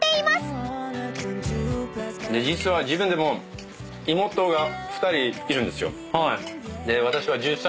実は自分にも妹が２人いるんですよ。